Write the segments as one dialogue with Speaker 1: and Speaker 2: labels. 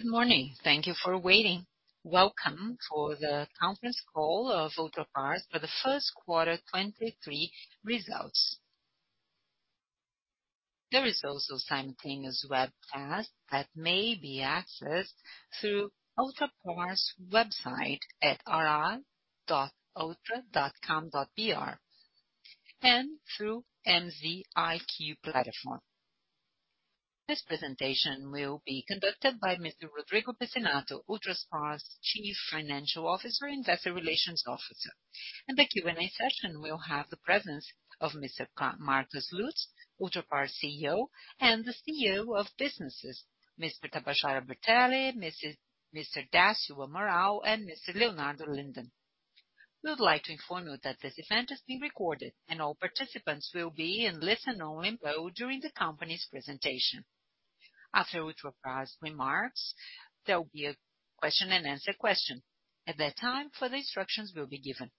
Speaker 1: Good morning. Thank you for waiting. Welcome for the conference call of Ultrapar for the first quarter 2023 results. The results simultaneous webcast that may be accessed through Ultrapar's website at ri.ultra.com.br and through MZIQ platform. This presentation will be conducted by Mr. Rodrigo Pizzinatto, Ultrapar's Chief Financial Officer and Investor Relations Officer. In the Q&A session, we'll have the presence of Mr. Marcos Lutz, Ultrapar CEO, and the CEO of businesses, Mr. Tabajara Bertelli, Mr. Décio Amaral, and Mr. Leonardo Linden. We would like to inform you that this event is being recorded and all participants will be in listen-only mode during the company's presentation. After Ultrapar's remarks, there will be a question and answer question. At that time, further instructions will be given.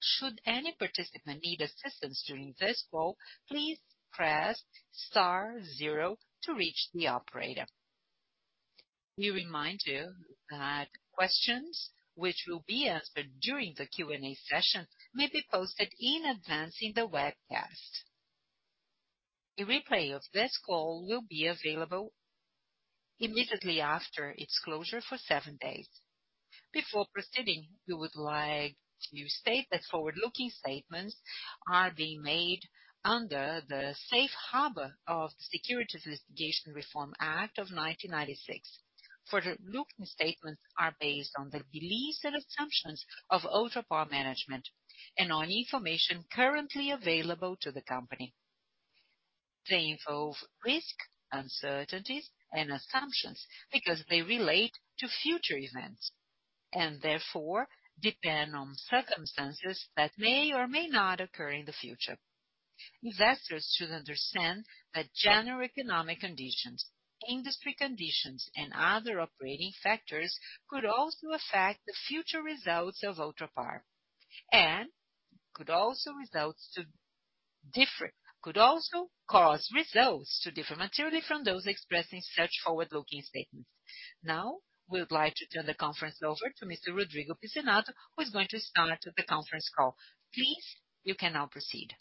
Speaker 1: Should any participant need assistance during this call, please press star zero to reach the operator. We remind you that questions which will be answered during the Q&A session may be posted in advance in the webcast. A replay of this call will be available immediately after its closure for seven days. Before proceeding, we would like to state that forward-looking statements are being made under the safe harbor of the Securities Litigation Reform Act of 1995. Forward-looking statements are based on the beliefs and assumptions of Ultrapar management and on information currently available to the company. They involve risk, uncertainties, and assumptions because they relate to future events and therefore depend on circumstances that may or may not occur in the future. Investors should understand that general economic conditions, industry conditions, and other operating factors could also affect the future results of Ultrapar and could also cause results to differ materially from those expressing such forward-looking statements. Now, we would like to turn the conference over to Mr. Rodrigo Pizzinatto, who is going to start the conference call. Please, you can now proceed.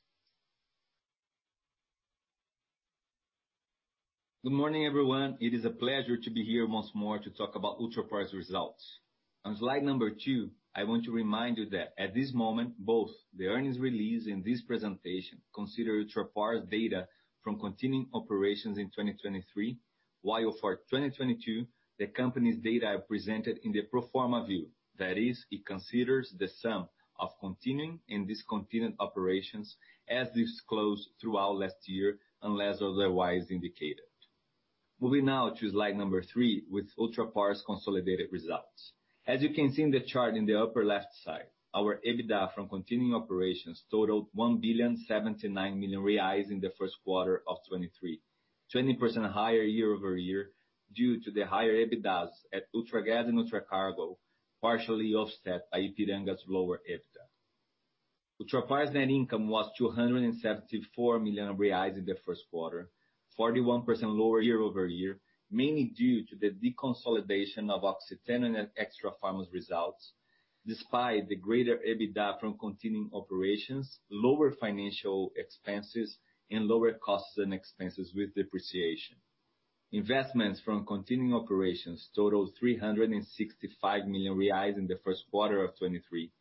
Speaker 2: Good morning, everyone. It is a pleasure to be here once more to talk about Ultrapar's results. On slide number two, I want to remind you that at this moment, both the earnings release and this presentation consider Ultrapar's data from continuing operations in 2023, while for 2022, the company's data are presented in the pro forma view. That is, it considers the sum of continuing and discontinued operations as disclosed throughout last year, unless otherwise indicated. Moving now to slide number three with Ultrapar's consolidated results. As you can see in the chart in the upper left side, our EBITDA from continuing operations totaled 1,079 million reais in the first quarter of 2023, 20% higher year-over-year due to the higher EBITDAs at Ultragaz and Ultracargo, partially offset by Ipiranga's lower EBITDA. Ultrapar's net income was 274 million reais in the first quarter, 41% lower year-over-year, mainly due to the deconsolidation of Oxiteno and Extrafarma's results, despite the greater EBITDA from continuing operations, lower financial expenses, and lower costs and expenses with depreciation. Investments from continuing operations totaled 365 million reais in the first quarter of 2023,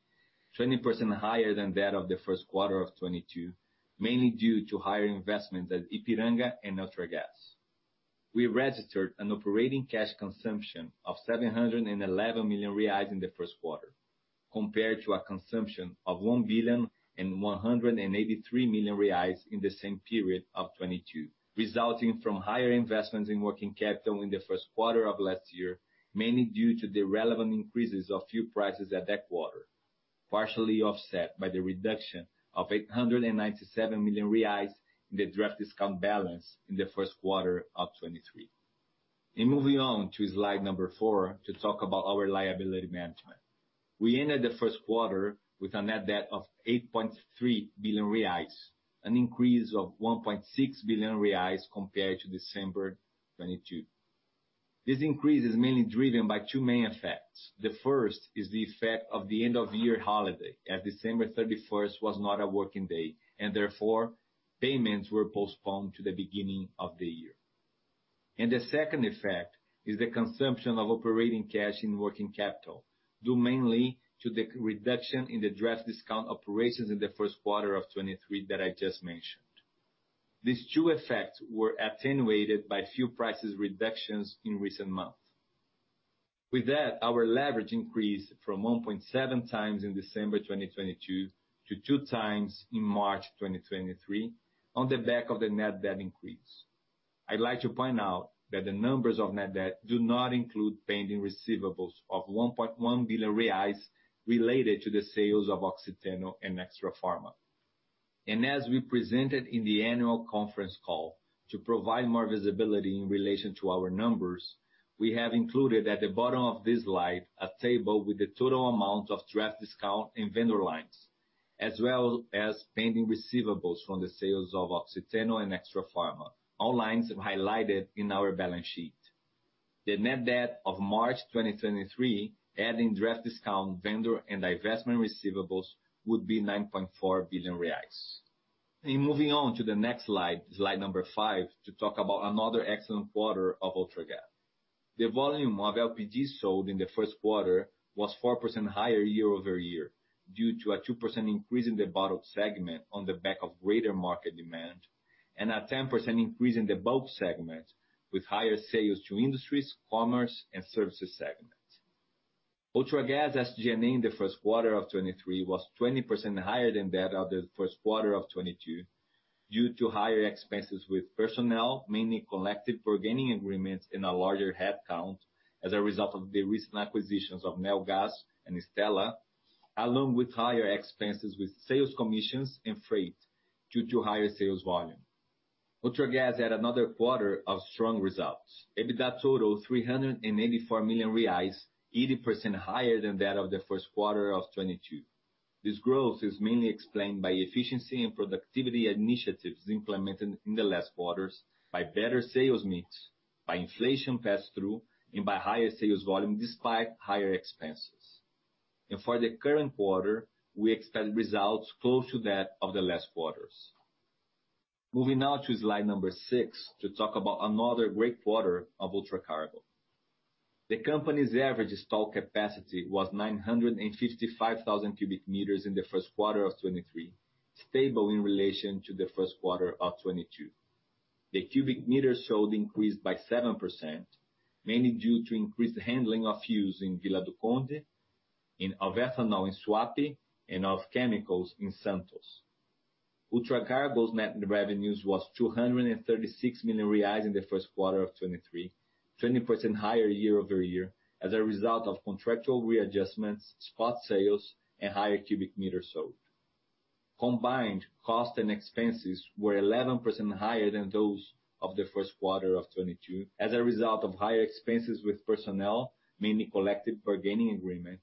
Speaker 2: 20% higher than that of the first quarter of 2022, mainly due to higher investments at Ipiranga and Ultragaz. We registered an operating cash consumption of 711 million reais in the first quarter, compared to a consumption of 1.183 billion in the same period of 2022, resulting from higher investments in working capital in the first quarter of last year, mainly due to the relevant increases of fuel prices at that quarter, partially offset by the reduction of 897 million reais in the draft discount balance in the first quarter of 2023. Moving on to slide 4 to talk about our liability management. We ended the first quarter with a net debt of 8.3 billion reais, an increase of 1.6 billion reais compared to December 2022. This increase is mainly driven by two main effects. The first is the effect of the end of year holiday, as December 31st was not a working day and therefore payments were postponed to the beginning of the year. The second effect is the consumption of operating cash in working capital, due mainly to the reduction in the draft discount operations in the first quarter of 2023 that I just mentioned. These two effects were attenuated by fuel prices reductions in recent months. With that, our leverage increased from 1.7 times in December 2022 to two times in March 2023 on the back of the net debt increase. I'd like to point out that the numbers of net debt do not include pending receivables of 1.1 billion reais related to the sales of Oxiteno and Extrafarma. As we presented in the annual conference call, to provide more visibility in relation to our numbers, we have included at the bottom of this slide a table with the total amount of draft discount and vendor lines. As well as pending receivables from the sales of Oxiteno and Extrafarma. All lines have highlighted in our balance sheet. The net debt of March 2023, adding draft discount vendor and divestment receivables, would be 9.4 billion reais. Moving on to the next slide five, to talk about another excellent quarter of Ultragaz. The volume of LPG sold in the first quarter was 4% higher year-over-year, due to a 2% increase in the bottled segment on the back of greater market demand and a 10% increase in the bulk segment, with higher sales to industries, commerce and services segment. Ultragaz SG&A in the first quarter of 2023 was 20% higher than that of the first quarter of 2022, due to higher expenses with personnel, mainly collected for gaining agreements and a larger headcount as a result of the recent acquisitions of NEOgás and Stella, along with higher expenses with sales commissions and freight due to higher sales volume. Ultragaz had another quarter of strong results. EBITDA totaled 384 million reais, 80% higher than that of the first quarter of 2022. This growth is mainly explained by efficiency and productivity initiatives implemented in the last quarters by better sales mix, by inflation pass-through, and by higher sales volume despite higher expenses. For the current quarter, we expect results close to that of the last quarters. Moving now to slide number six to talk about another great quarter of Ultracargo. The company's average stock capacity was 955,000 cubic meters in the first quarter of 2023, stable in relation to the first quarter of 2022. The cubic meters sold increased by 7%, mainly due to increased handling of fuels in Vila do Conde, in of ethanol in Suape, and of chemicals in Santos. Ultracargo's net revenues was 236 million reais in the first quarter of 2023, 20% higher year-over-year as a result of contractual readjustments, spot sales, and higher cubic meters sold. Combined cost and expenses were 11% higher than those of the first quarter of 2022 as a result of higher expenses with personnel, mainly collective bargaining agreement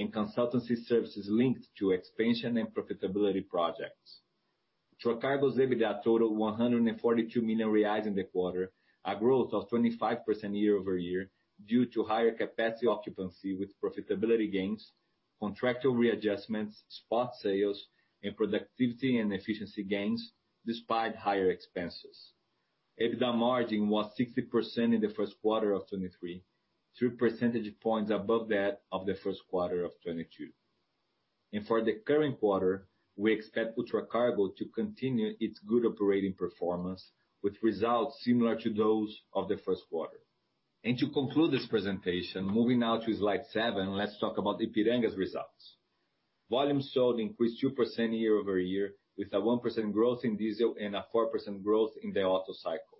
Speaker 2: and consultancy services linked to expansion and profitability projects. Ultracargo's EBITDA totaled 142 million reais in the quarter, a growth of 25% year-over-year due to higher capacity occupancy with profitability gains, contractual readjustments, spot sales, and productivity and efficiency gains despite higher expenses. EBITDA margin was 60% in the first quarter of 2023, 3 percentage points above that of the first quarter of 2022. For the current quarter, we expect Ultracargo to continue its good operating performance with results similar to those of the first quarter. To conclude this presentation, moving now to slide seven, let's talk about Ipiranga's results. Volumes sold increased 2% year-over-year, with a 1% growth in diesel and a 4% growth in the Otto cycle.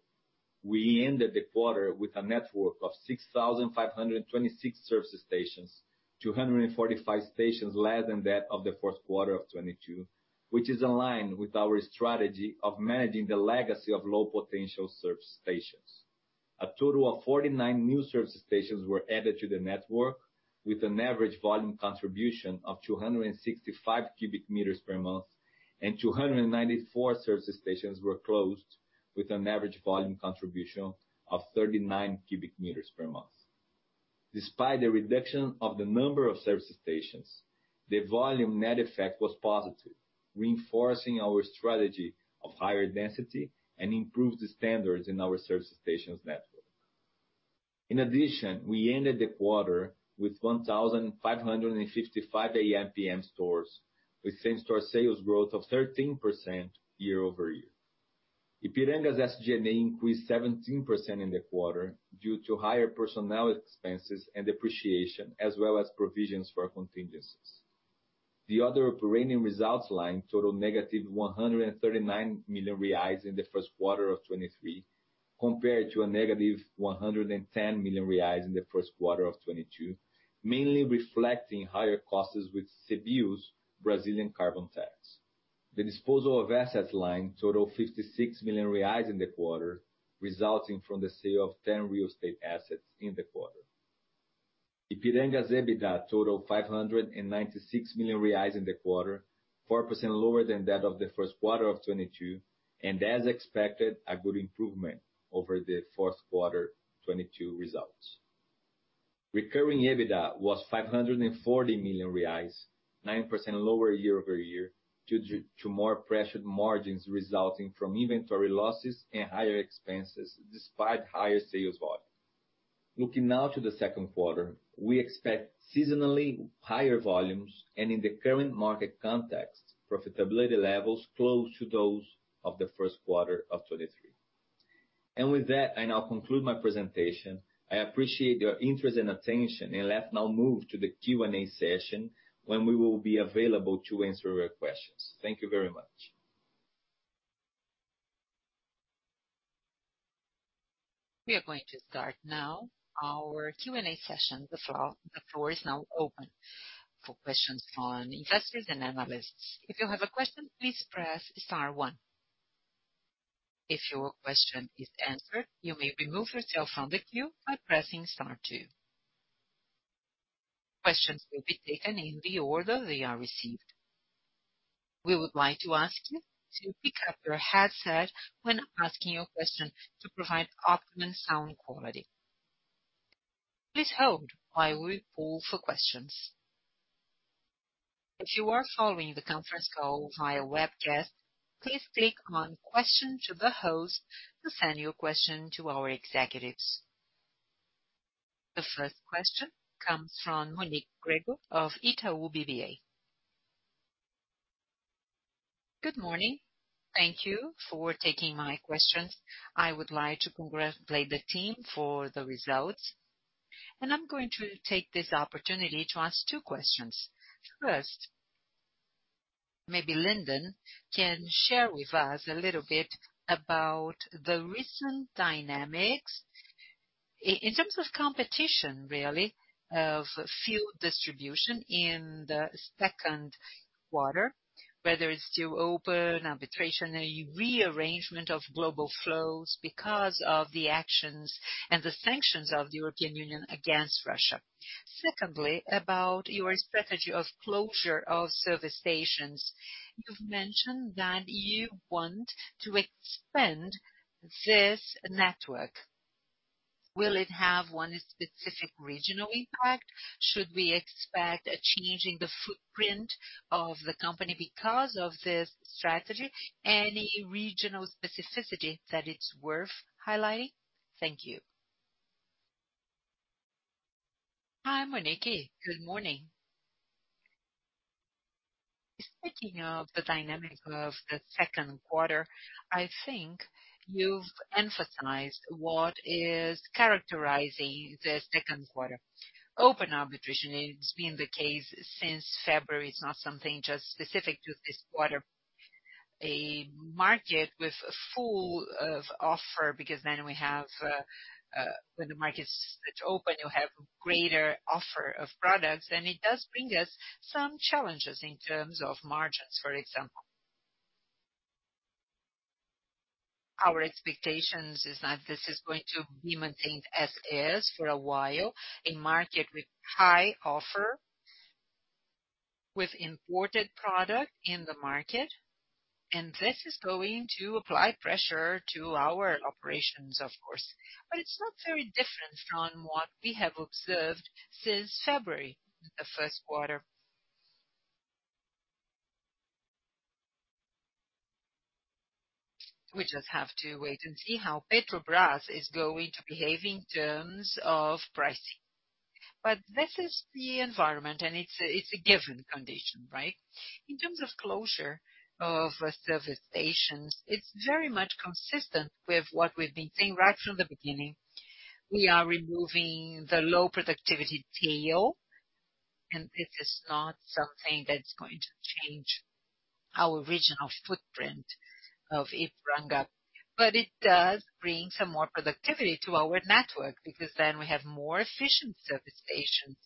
Speaker 2: We ended the quarter with a network of 6,526 service stations, 245 stations less than that of the fourth quarter of 2022, which is in line with our strategy of managing the legacy of low-potential service stations. A total of 49 new service stations were added to the network with an average volume contribution of 265 cubic meters per month, and 294 service stations were closed with an average volume contribution of 39 cubic meters per month. Despite the reduction of the number of service stations, the volume net effect was positive, reinforcing our strategy of higher density and improved standards in our service stations network. In addition, we ended the quarter with 1,555 AmPm stores with same-store sales growth of 13% year-over-year. Ipiranga's SG&A increased 17% in the quarter due to higher personnel expenses and depreciation, as well as provisions for contingencies. The other operating results line totaled negative 139 million reais in the first quarter of 2023, compared to a negative 110 million reais in the first quarter of 2022, mainly reflecting higher costs with CBIO's Brazilian carbon tax. The disposal of assets line totaled 56 million reais in the quarter, resulting from the sale of 10 real estate assets in the quarter. Ipiranga's EBITDA totaled 596 million reais in the quarter, 4% lower than that of the first quarter of 2022. As expected, a good improvement over the fourth quarter 2022 results. Recurring EBITDA was 540 million reais, 9% lower year-over-year, due to more pressured margins resulting from inventory losses and higher expenses despite higher sales volume. Looking now to the second quarter, we expect seasonally higher volumes and, in the current market context, profitability levels close to those of the 1Q of 2023. With that, I now conclude my presentation. I appreciate your interest and attention, and let's now move to the Q&A session when we will be available to answer your questions. Thank you very much.
Speaker 1: We are going to start now our Q&A session. The floor is now open for questions from investors and analysts. If you have a question, please press star one. If your question is answered, you may remove yourself from the queue by pressing star two. Questions will be taken in the order they are received. We would like to ask you to pick up your headset when asking your question to provide optimum sound quality. Please hold while we poll for questions. If you are following the conference call via webcast, please click on Question to the Host to send your question to our executives. The first question comes from Monique Greco of Itaú BBA.
Speaker 3: Good morning. Thank you for taking my questions. I would like to congratulate the team for the results. I'm going to take this opportunity to ask two questions. First, maybe Linden can share with us a little bit about the recent dynamics in terms of competition, really, of fuel distribution in the second quarter, whether it's through open arbitration, a rearrangement of global flows because of the actions and the sanctions of the European Union against Russia. Secondly, about your strategy of closure of service stations. You've mentioned that you want to expand this network. Will it have one specific regional impact? Should we expect a change in the footprint of the company because of this strategy? Any regional specificity that it's worth highlighting? Thank you.
Speaker 4: Hi, Monique. Good morning. Speaking of the dynamic of the second quarter, I think you've emphasized what is characterizing the second quarter. Open arbitration, it's been the case since February. It's not something just specific to this quarter. A market with a full of offer because then we have, when the market's open, you have greater offer of products, and it does bring us some challenges in terms of margins, for example. Our expectations is that this is going to be maintained as is for a while, a market with high offer, with imported product in the market, and this is going to apply pressure to our operations, of course. It's not very different from what we have observed since February, the first quarter. We just have to wait and see how Petrobras is going to behave in terms of pricing. This is the environment, and it's a given condition, right? In terms of closure of service stations, it's very much consistent with what we've been saying right from the beginning. We are removing the low productivity tail. This is not something that's going to change our regional footprint of Ipiranga. It does bring some more productivity to our network because then we have more efficient service stations.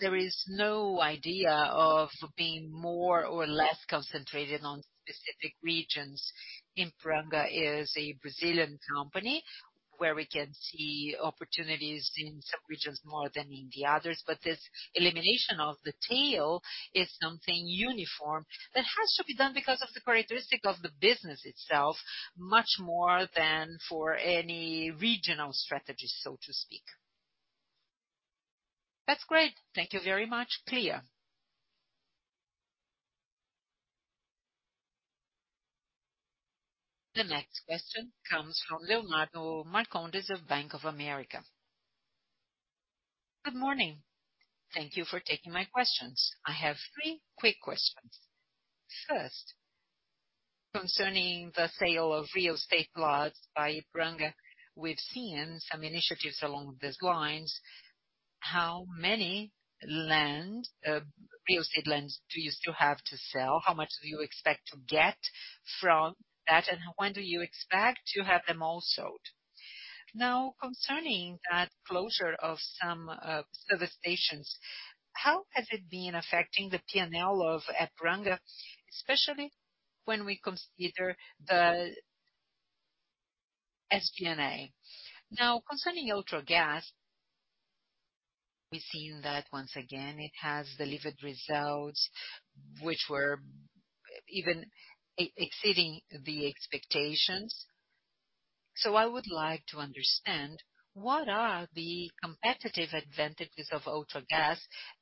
Speaker 4: There is no idea of being more or less concentrated on specific regions. Ipiranga is a Brazilian company where we can see opportunities in some regions more than in the others, but this elimination of the tail is something uniform that has to be done because of the characteristic of the business itself, much more than for any regional strategy, so to speak.
Speaker 3: That's great. Thank you very much. Clear.
Speaker 1: The next question comes from Leonardo Marcondes of Bank of America.
Speaker 5: Good morning. Thank you for taking my questions. I have three quick questions. First, concerning the sale of real estate lots by Ipiranga, we've seen some initiatives along these lines. How many land, real estate lands do you still have to sell? How much do you expect to get from that, and when do you expect to have them all sold? Now, concerning that closure of some service stations, how has it been affecting the P&L of Ipiranga, especially when we consider the SG&A? Now, concerning Ultragaz, we've seen that once again it has delivered results which were even exceeding the expectations. I would like to understand, what are the competitive advantages of Ultragaz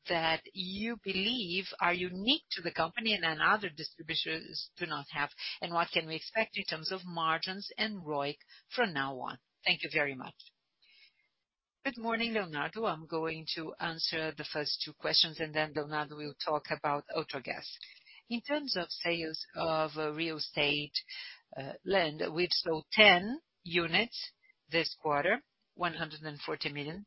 Speaker 5: that you believe are unique to the company and that other distributors do not have? What can we expect in terms of margins and ROIC from now on? Thank you very much.
Speaker 2: Good morning, Leonardo. I'm going to answer the first two questions, and then Leonardo will talk about Ultragaz. In terms of sales of real estate, land, we've sold 10 units this quarter, 140 million.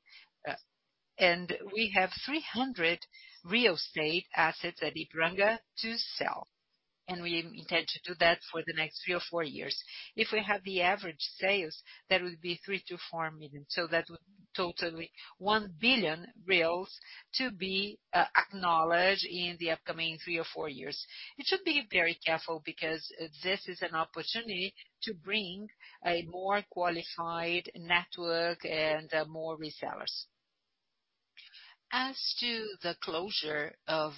Speaker 2: We have 300 real estate assets at Ipiranga to sell. We intend to do that for the next 3 or 4 years. If we have the average sales, that would be 3 million-4 million, so that would total 1 billion to be acknowledged in the upcoming three or four years. It should be very careful because this is an opportunity to bring a more qualified network and more resellers. As to the closure of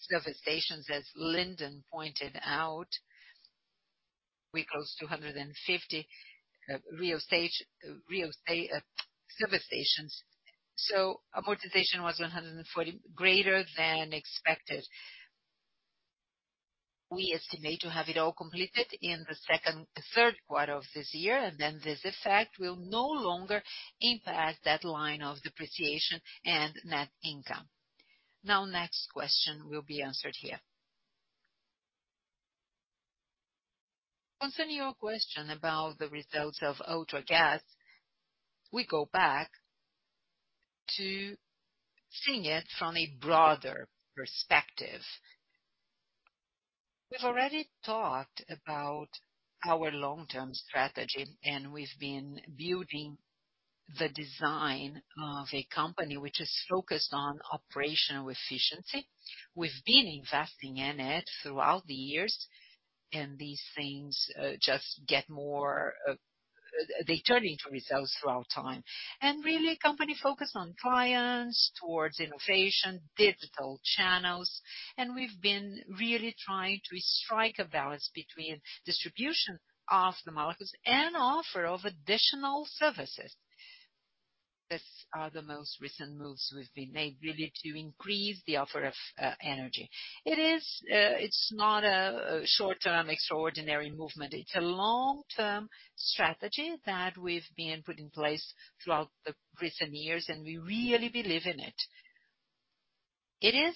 Speaker 2: service stations, as Linden pointed out, we closed [250 Rio service stations]. Amortization was 140 greater than expected. We estimate to have it all completed in the third quarter of this year, then this effect will no longer impact that line of depreciation and net income. Next question will be answered here.
Speaker 4: Concerning your question about the results of Ultragaz, we go back to seeing it from a broader perspective. We've already talked about our long-term strategy, we've been building the design of a company which is focused on operational efficiency. We've been investing in it throughout the years, these things just get more, they turn into results throughout time. Really, company focused on clients, towards innovation, digital channels, we've been really trying to strike a balance between distribution of the markets and offer of additional services. These are the most recent moves we've been made, really to increase the offer of energy. It is, it's not a short-term extraordinary movement. It's a long-term strategy that we've been put in place throughout the recent years, and we really believe in it. It is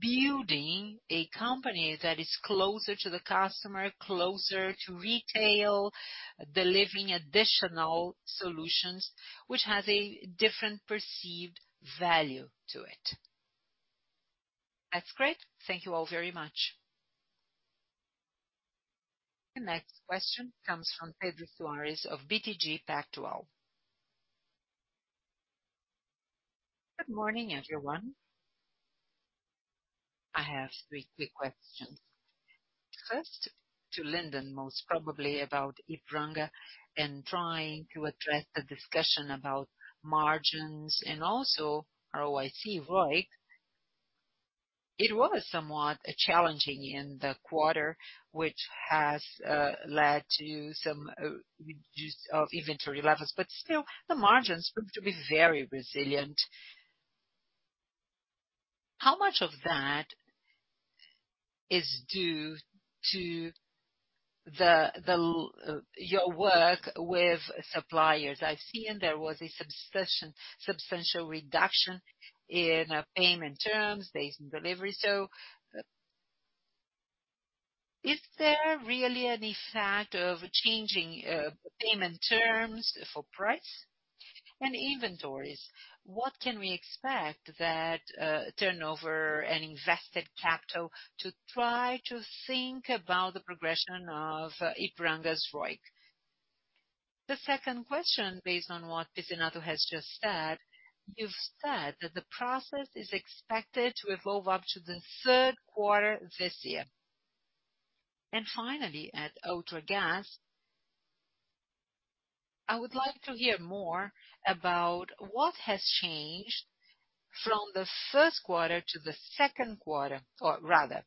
Speaker 4: building a company that is closer to the customer, closer to retail, delivering additional solutions, which has a different perceived value to it.
Speaker 5: That's great. Thank you all very much.
Speaker 1: The next question comes from Pedro Soares of BTG Pactual.
Speaker 6: Good morning, everyone. I have three quick questions. First, to Linden, most probably about Ipiranga and trying to address the discussion about margins and also ROIC. It was somewhat challenging in the quarter, which has led to some reduce of inventory levels, but still the margins proved to be very resilient. How much of that is due to your work with suppliers? I've seen there was a substantial reduction in payment terms based on delivery. Is there really any fact of changing payment terms for price? Inventories, what can we expect that turnover and invested capital to try to think about the progression of Ipiranga's ROIC? The second question, based on what Pizzinatto has just said, you've said that the process is expected to evolve up to the third quarter this year. Finally, at Ultragaz, I would like to hear more about what has changed from the first quarter to the second quarter, or rather,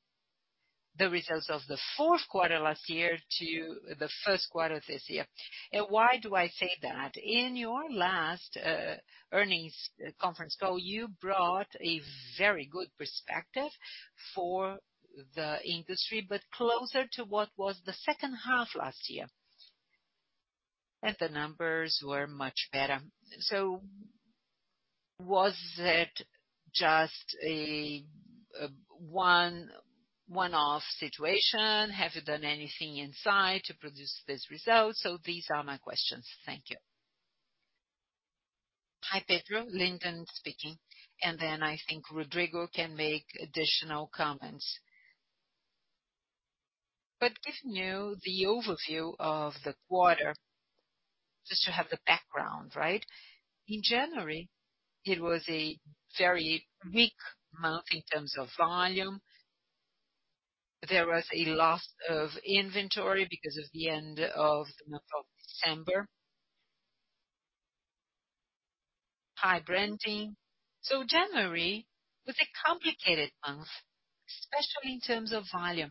Speaker 6: the results of the fourth quarter last year to the first quarter this year. Why do I say that? In your last earnings conference call, you brought a very good perspective for the industry, closer to what was the second half last year. The numbers were much better. Was it just a one-off situation? Have you done anything inside to produce this result? These are my questions. Thank you.
Speaker 4: Hi, Pedro. Linden speaking. I think Rodrigo can make additional comments. Giving you the overview of the quarter, just to have the background, right? In January, it was a very weak month in terms of volume. There was a loss of inventory because of the end of the month of December. High branding. January was a complicated month, especially in terms of volume.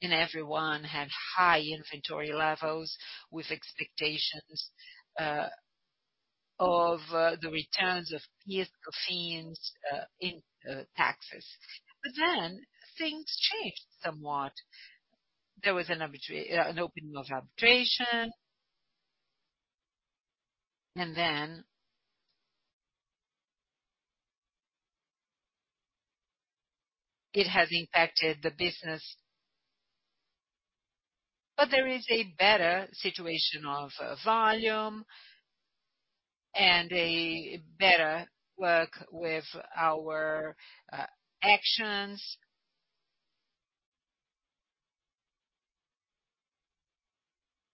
Speaker 4: Everyone had high inventory levels with expectations of the returns of PIS/Cofins in taxes. Things changed somewhat. There was an opening of arbitration. Then... It has impacted the business. There is a better situation of volume and a better work with our actions.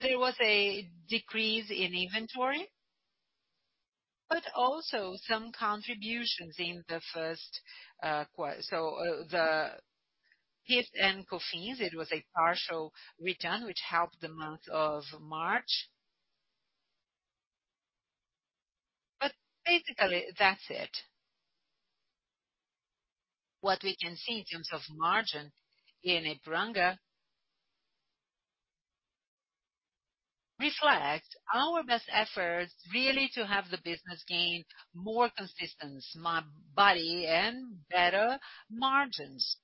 Speaker 4: There was a decrease in inventory, but also some contributions in the first quarter. The PIS and COFINS, it was a partial return which helped the month of March. Basically, that's it. What we can see in terms of margin in Ipiranga reflect our best efforts really to have the business gain more consistency, more body and better margins.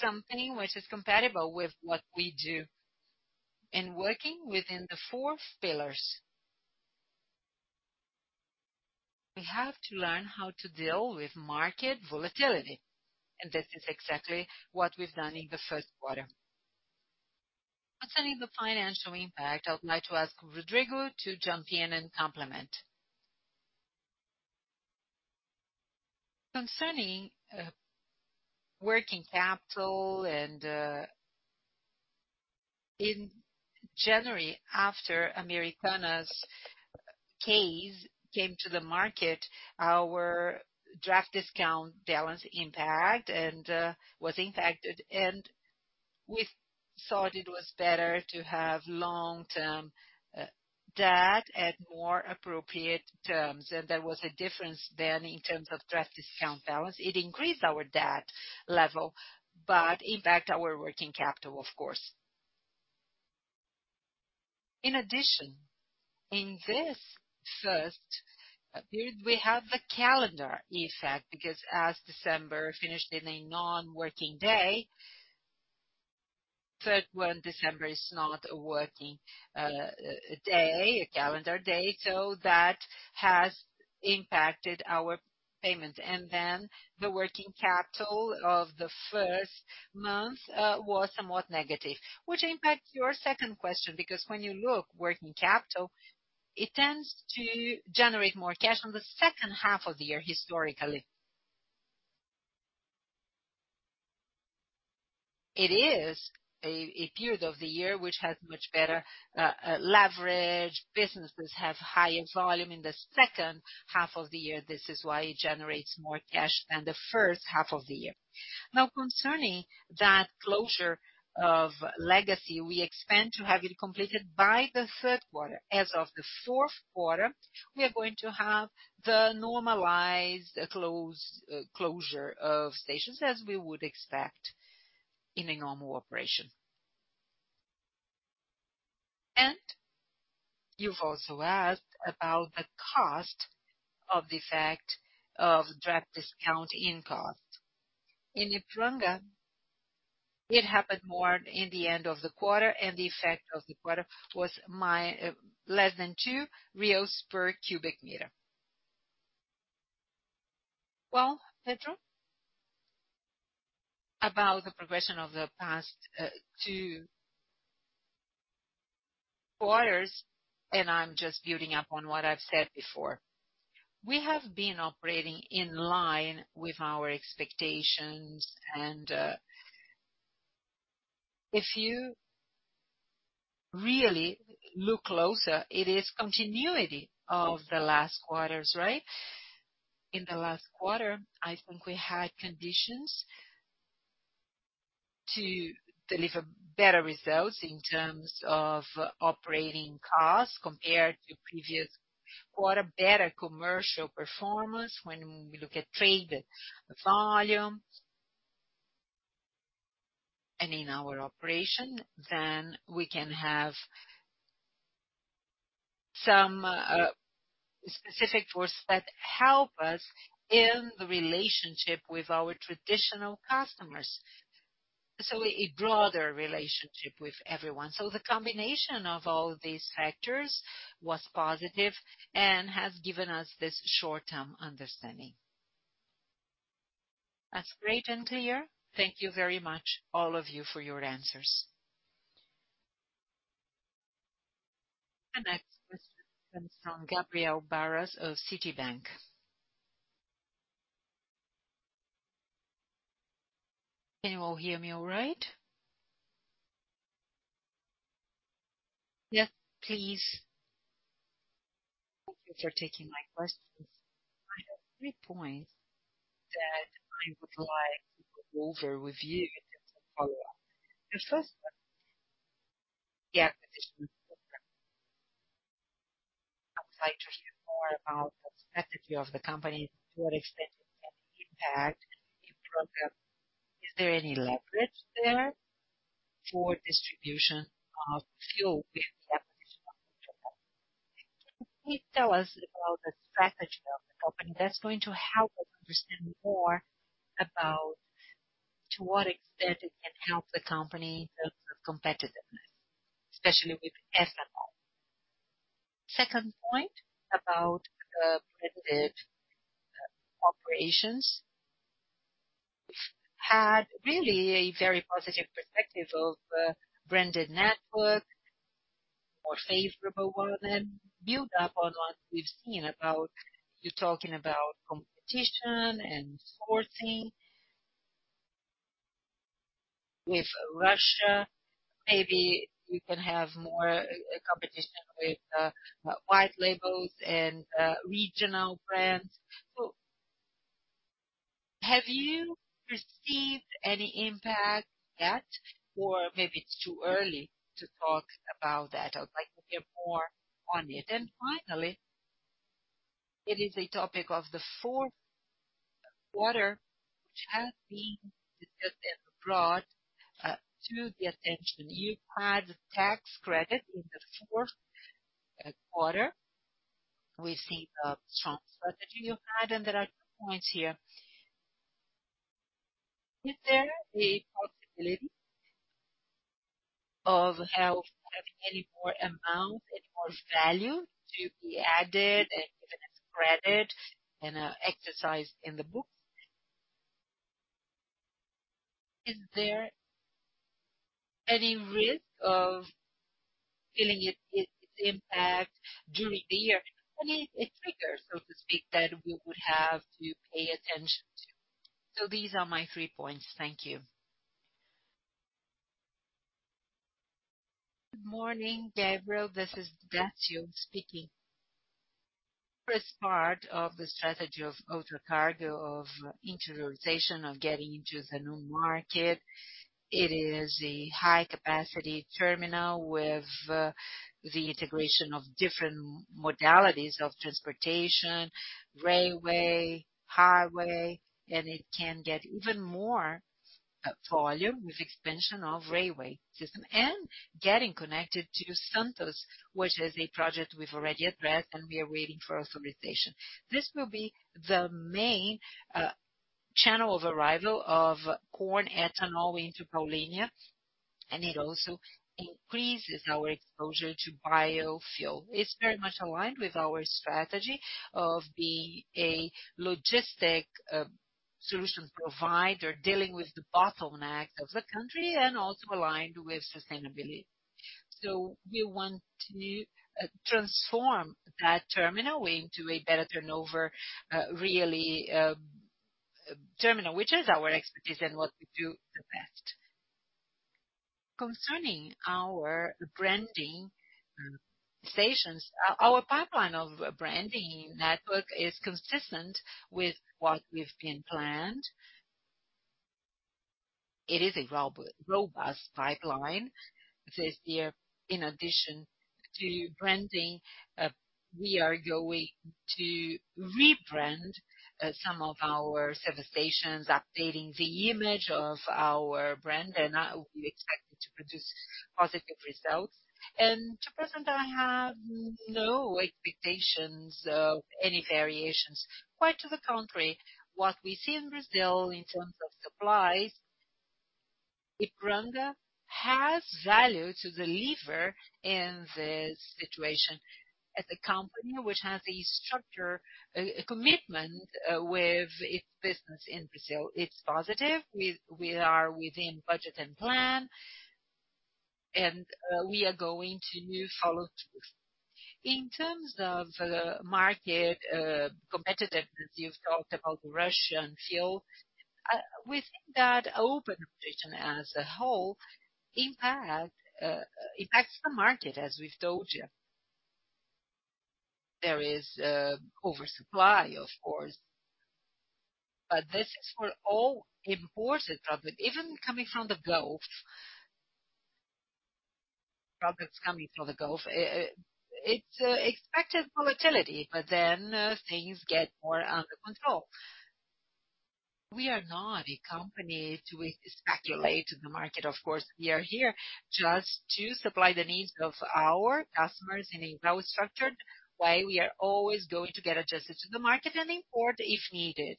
Speaker 4: Something which is compatible with what we do in working within the four pillars. We have to learn how to deal with market volatility, and this is exactly what we've done in the first quarter. Concerning the financial impact, I would like to ask Rodrigo to jump in and complement. Concerning working capital and. In January, after Americanas' case came to the market, our draft discount balance impact and was impacted, and we thought it was better to have long-term debt at more appropriate terms. There was a difference then in terms of draft discount balance. It increased our debt level, but impact our working capital, of course. In addition, in this first period, we have the calendar effect because as December finished in a non-working day, 31st of December is not a working day, a calendar day, so that has impacted our payment. Then the working capital of the first month was somewhat negative, which impact your second question. Because when you look working capital, it tends to generate more cash on the second half of the year historically. It is a period of the year which has much better leverage. Businesses have higher volume in the second half of the year. This is why it generates more cash than the first half of the year. Concerning that closure of legacy, we expect to have it completed by the third quarter. As of the fourth quarter, we are going to have the normalized close, closure of stations as we would expect in a normal operation. You've also asked about the cost of the effect of draft discount in cost. In Ipiranga, it happened more in the end of the quarter, and the effect of the quarter was less than 2 BRL per cubic meter.
Speaker 2: Pedro, about the progression of the past, two quarters, and I'm just building up on what I've said before. We have been operating in line with our expectations and, if you really look closer, it is continuity of the last quarters, right? In the last quarter, I think we had conditions to deliver better results in terms of operating costs compared to previous quarter, better commercial performance when we look at traded volume. In our operation, then we can have some specific force that help us in the relationship with our traditional customers. A broader relationship with everyone. The combination of all these factors was positive and has given us this short-term understanding.
Speaker 6: That's great and clear. Thank you very much, all of you, for your answers.
Speaker 1: The next question comes from Gabriel Barra of Citibank.
Speaker 7: Can you all hear me all right?
Speaker 1: Yes, please.
Speaker 7: Thank you for taking my questions. I have three points that I would like to go over with you and then some follow-up. The first one, the acquisition of. Can you please tell us about the strategy of the company that's going to help us understand more about to what extent it can help the company build their competitiveness, especially with [FMO]? Second point about branded operations. Had really a very positive perspective of branded network, more favorable one and build up on what we've seen about you talking about competition and sourcing. With Russia, maybe we can have more competition with white labels and regional brands. Have you received any impact yet? Or maybe it's too early to talk about that. I'd like to hear more on it. Finally, it is a topic of the fourth quarter which has been discussed and brought to the attention. You had tax credit in the fourth quarter. We see a transfer that you've had. There are two points here. Is there a possibility of having any more amount and more value to be added and given as credit in a exercise in the books? Is there any risk of feeling its impact during the year? Any trigger, so to speak, that we would have to pay attention to? These are my three points. Thank you.
Speaker 8: Good morning, Gabriel. This is Décio speaking. First part of the strategy of Ultragaz of interiorization, of getting into the new market. It is a high capacity terminal with the integration of different modalities of transportation, railway, highway. It can get even more volume with expansion of railway system and getting connected to Santos, which is a project we've already addressed. We are waiting for authorization. This will be the main channel of arrival of corn ethanol into Paulínia, and it also increases our exposure to biofuel. It's very much aligned with our strategy of being a logistic solution provider, dealing with the bottleneck of the country, and also aligned with sustainability. We want to transform that terminal into a better turnover, really terminal, which is our expertise and what we do the best. Concerning our branding stations, our pipeline of branding network is consistent with what we've been planned. It is a robust pipeline. This year, in addition to branding, we are going to rebrand some of our service stations, updating the image of our brand, and we expect it to produce positive results. To present, I have no expectations of any variations. Quite to the contrary, what we see in Brazil in terms of supplies, Ipiranga has value to deliver in this situation. As a company which has a structure, commitment, with its business in Brazil, it's positive. We are within budget and plan, and we are going to follow through. In terms of market, competitiveness, you've talked about Russian fuel. We think that open operation as a whole impacts the market, as we've told you. There is oversupply, of course, but this is for all imported product, even coming from the Gulf. Products coming from the Gulf. It's expected volatility, things get more under control. We are not a company to speculate in the market, of course. We are here just to supply the needs of our customers in a well-structured way. We are always going to get adjusted to the market and import if needed.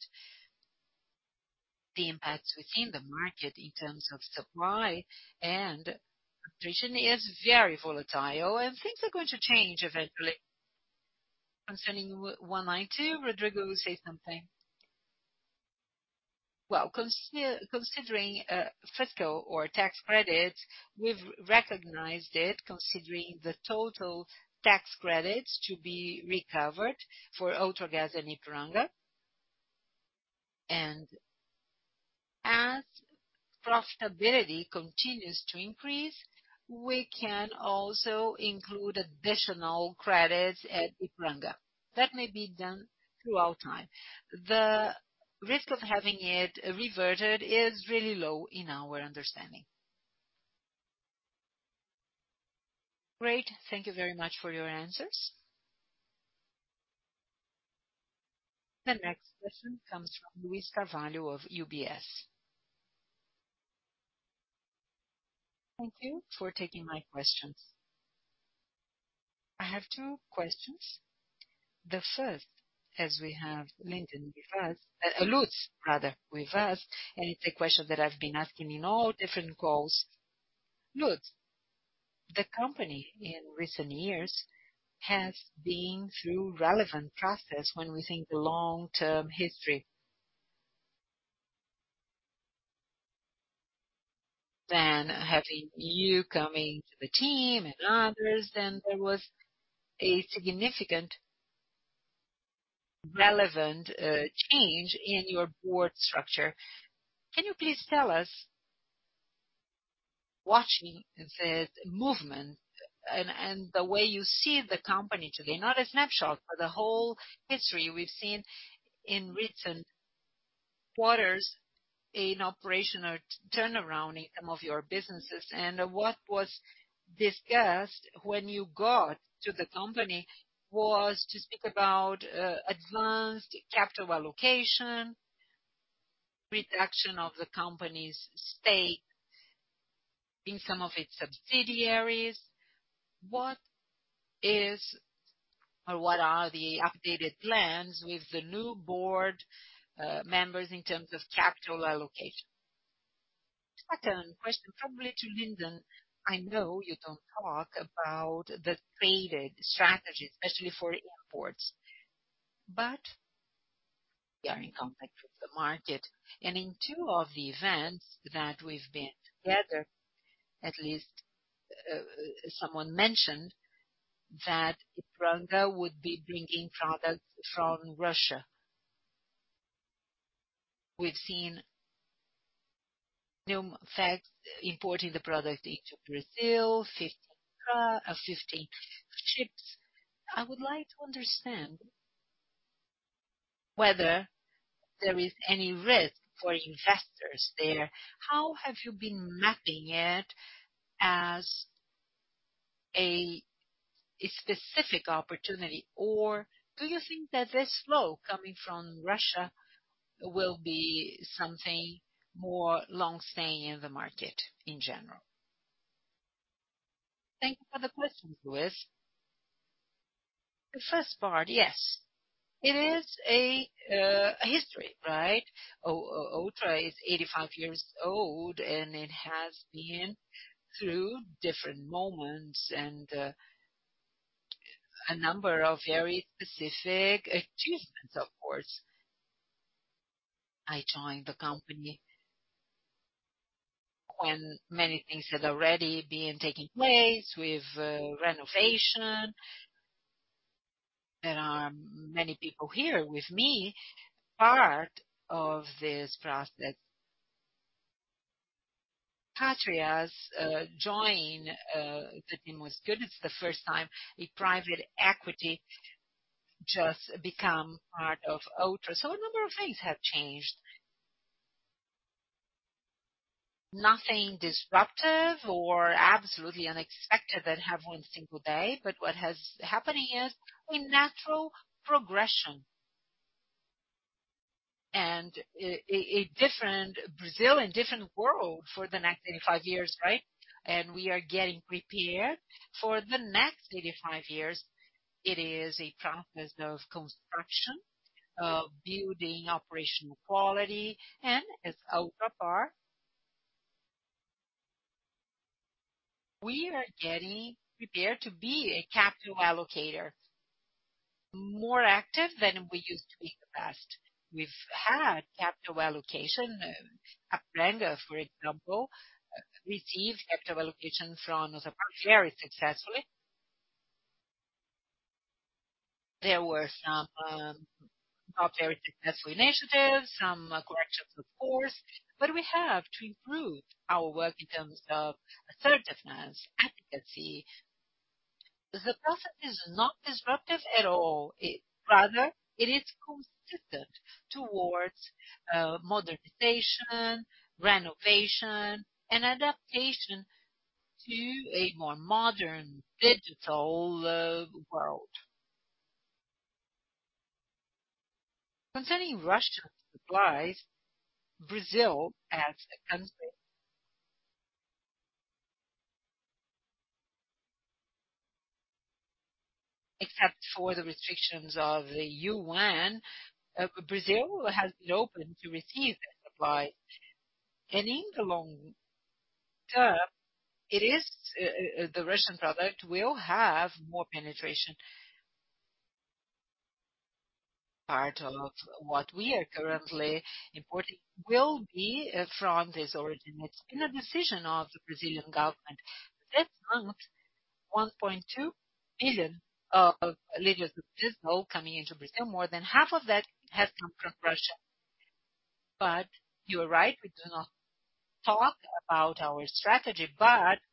Speaker 8: The impacts within the market in terms of supply and operation is very volatile, and things are going to change eventually. Concerning Law 192, Rodrigo will say something.
Speaker 2: Well, considering fiscal or tax credits, we've recognized it considering the total tax credits to be recovered for Ultragaz and Ipiranga. As profitability continues to increase, we can also include additional credits at Ipiranga. That may be done throughout time. The risk of having it reverted is really low in our understanding.
Speaker 7: Great. Thank you very much for your answers.
Speaker 1: The next question comes from Luiz Carvalho of UBS.
Speaker 9: Thank you for taking my questions. I have two questions. The first, as we have Linden with us, Lutz with us, it's a question that I've been asking in all different calls. Lutz, the company in recent years has been through relevant process when we think long-term history. Having you coming to the team and others, there was a significant relevant change in your board structure. Can you please tell us, watching the movement and the way you see the company today, not a snapshot, but the whole history we've seen in recent quarters in operational turnaround in some of your businesses. What was discussed when you got to the company was to speak about advanced capital allocation, reduction of the company's stake in some of its subsidiaries. What are the updated plans with the new board members in terms of capital allocation? Second question, probably to Linden. I know you don't talk about the traded strategy, especially for imports, but we are in contact with the market. In 2 of the events that we've been together, at least, someone mentioned that Ipiranga would be bringing products from Russia. We've seen Gunvor importing the product into Brazil, 50 ships. I would like to understand whether there is any risk for investors there. How have you been mapping it as a specific opportunity? Do you think that this flow coming from Russia will be something more long staying in the market in general?
Speaker 10: Thank you for the question, Luiz. The first part, yes. It is a history, right? Ultra is 85 years old, and it has been through different moments and a number of very specific achievements, of course. I joined the company when many things had already been taking place with renovation. There are many people here with me part of this process. Pátria, join the team was good. It's the first time a private equity just become part of Ultra. A number of things have changed. Nothing disruptive or absolutely unexpected that have one single day, but what has-- happening is a natural progression. A different Brazil and a different world for the next 85 years, right? We are getting prepared for the next 85 years. It is a process of construction, of building operational quality. As Ultrapar, we are getting prepared to be a capital allocator. More active than we used to be in the past. We've had capital allocation. Ipiranga, for example, received capital allocation from us very successfully. There were some, not very successful initiatives, some correction of the course, but we have to improve our work in terms of assertiveness, efficacy. The process is not disruptive at all. Rather, it is consistent towards modernization, renovation, and adaptation to a more modern digital world.
Speaker 4: Concerning Russia supplies, Brazil as a country. Except for the restrictions of the UN, Brazil has been open to receive that supply. In the long term, it is, the Russian product will have more penetration. Part of what we are currently importing will be from this origin. It's been a decision of the Brazilian government. This month, 1.2 billion L of diesel coming into Brazil, more than half of that has come from Russia. You are right, we do not talk about our strategy.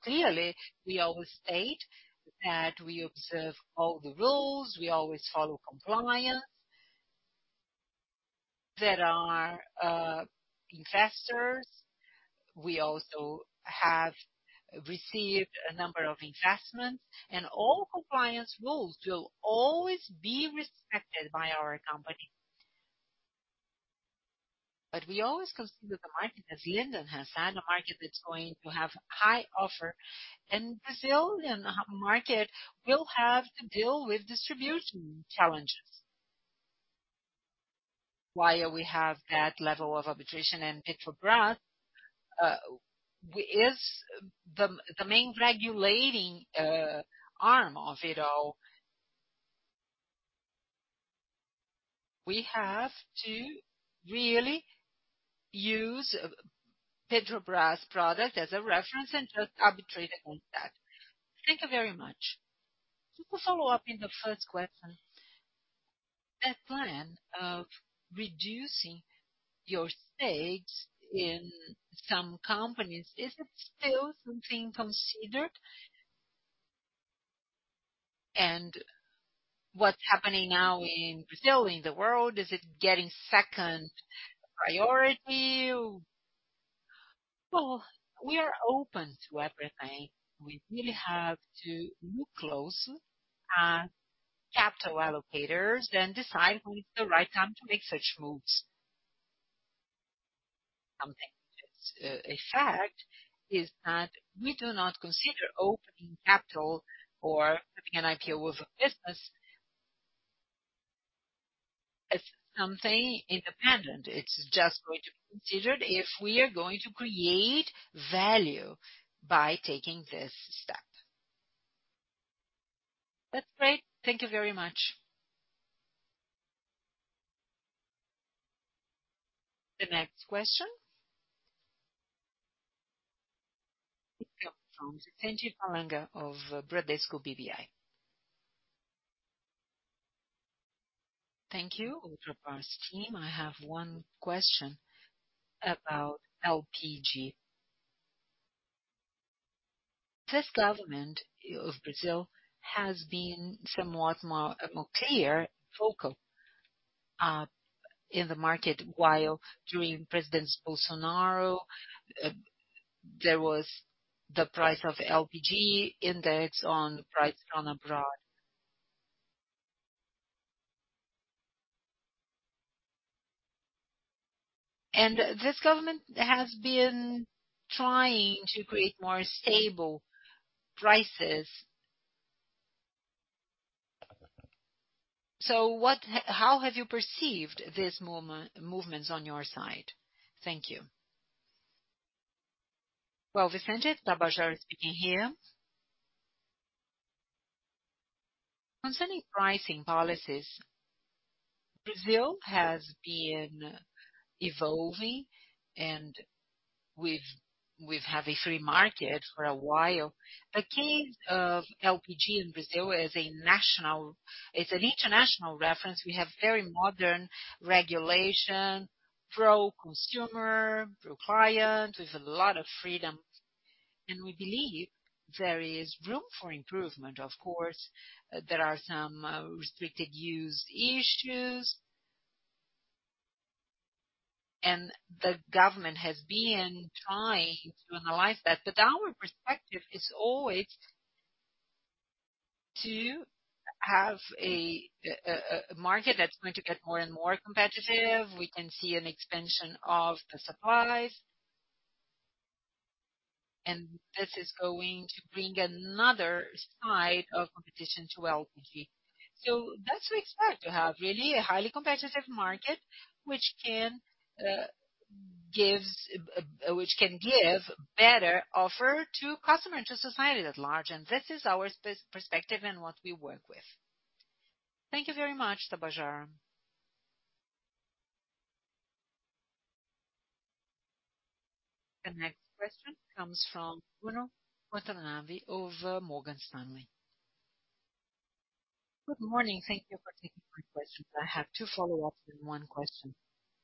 Speaker 4: Clearly, we always state that we observe all the rules, we always follow compliance. There are investors. We also have received a number of investments. All compliance rules will always be respected by our company. We always consider the market as London has had a market that's going to have high offer. Brazilian market will have to deal with distribution challenges. While we have that level of arbitration and Petrobras is the main regulating arm of it all. We have to really use Petrobras product as a reference and just arbitrate against that. Thank you very much.
Speaker 9: To follow up in the first question, that plan of reducing your stakes in some companies, is it still something considered? What's happening now in Brazil, in the world, is it getting second priority?
Speaker 10: Well, we are open to everything. We really have to look close at capital allocators then decide when is the right time to make such moves. Something which is a fact is that we do not consider opening capital or having an IPO of a business as something independent. It's just going to be considered if we are going to create value by taking this step.
Speaker 9: That's great. Thank you very much.
Speaker 1: The next question. It comes from Vicente Falanga of Bradesco BBI.
Speaker 11: Thank you, Ultragaz team. I have one question about LPG. This government of Brazil has been somewhat more clear, vocal in the market, while during President Bolsonaro, there was the price of LPG indexed on price from abroad. This government has been trying to create more stable prices. How have you perceived these movements on your side? Thank you.
Speaker 12: Well, Vicente, Tabajara speaking here. Concerning pricing policies, Brazil has been evolving and we've had a free market for a while. The case of LPG in Brazil is a national. It's an international reference. We have very modern regulation, pro-consumer, pro-client, with a lot of freedom. We believe there is room for improvement, of course. There are some restricted use issues. The government has been trying to analyze that. Our perspective is always to have a market that's going to get more and more competitive. We can see an expansion of the supplies. This is going to bring another side of competition to LPG. That's we expect to have, really, a highly competitive market which can give better offer to customer, to society at large. This is our perspective and what we work with.
Speaker 11: Thank you very much, Tabajara.
Speaker 1: The next question comes from Bruno Montanari of Morgan Stanley.
Speaker 13: Good morning. Thank you for taking my questions. I have two follow-ups and one question.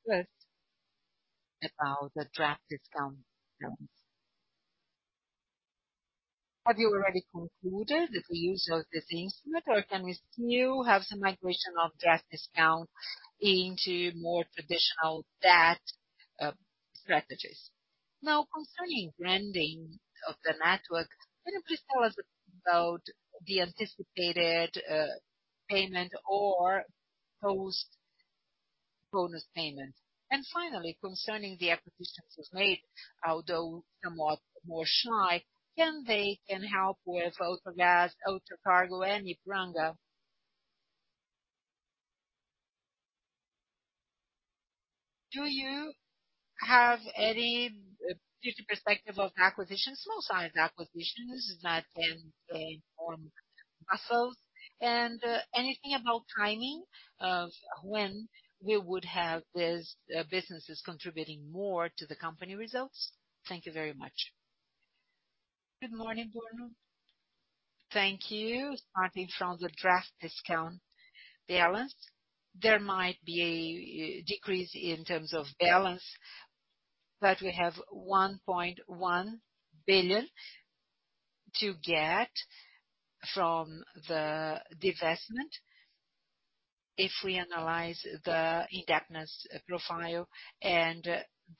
Speaker 13: First, about the draft discount terms. Have you already concluded the use of this instrument, or can we still have some migration of draft discount into more traditional debt, strategies? Now, concerning branding of the network, can you please tell us about the anticipated, payment or post-bonus payment? Finally, concerning the acquisitions you've made, although somewhat more shy, can they help with Ultragaz, Ultracargo and Ipiranga? Do you have any future perspective of acquisitions, small size acquisitions that can form muscles? Anything about timing of when we would have these businesses contributing more to the company results? Thank you very much.
Speaker 2: Good morning, Bruno. Thank you. Starting from the draft discount balance, there might be a decrease in terms of balance, but we have 1.1 billion to get from the divestment if we analyze the indebtedness profile and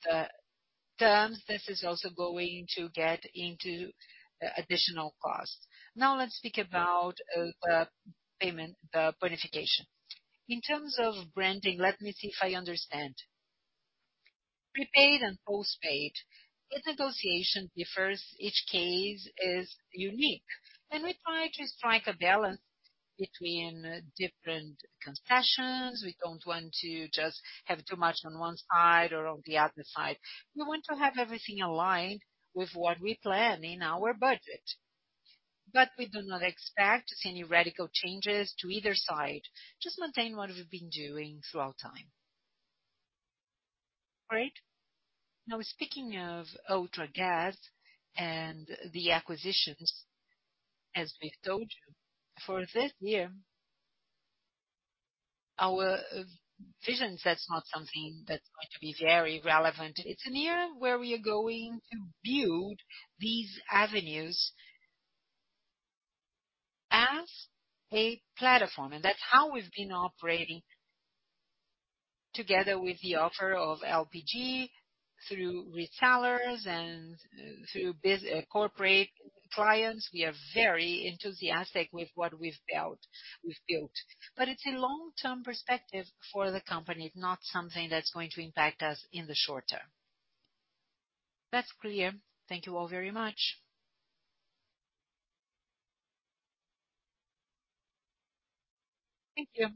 Speaker 2: the terms. This is also going to get into additional costs. Now let's speak about payment bonification. In terms of branding, let me see if I understand. Prepaid and postpaid, each negotiation differs. Each case is unique. We try to strike a balance between different concessions. We don't want to just have too much on one side or on the other side. We want to have everything aligned with what we plan in our budget. We do not expect to see any radical changes to either side, just maintain what we've been doing throughout time.
Speaker 13: Great.
Speaker 10: Now, speaking of Ultragaz and the acquisitions, as we've told you, for this year, our vision, that's not something that's going to be very relevant. It's a year where we are going to build these avenues as a platform, and that's how we've been operating together with the offer of LPG through resellers and through corporate clients. We are very enthusiastic with what we've built. It's a long-term perspective for the company, not something that's going to impact us in the short term.
Speaker 13: That's clear. Thank you all very much.
Speaker 1: Thank you.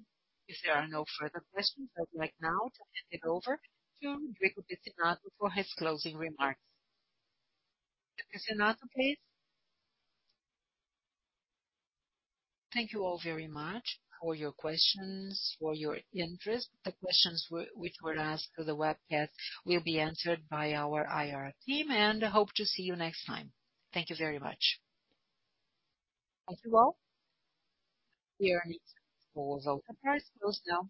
Speaker 1: If there are no further questions, I'd like now to hand it over to Rodrigo Pizzinatto for his closing remarks. Pizzinatto, please.
Speaker 2: Thank you all very much for your questions, for your interest. The questions which were asked through the webcast will be answered by our IR team.
Speaker 1: I hope to see you next time. Thank you very much. Thank you all. We are needing to close. Ultragaz close now.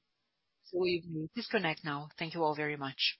Speaker 1: We disconnect now. Thank you all very much.